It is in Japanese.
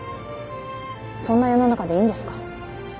そんな世の中でいいんですか？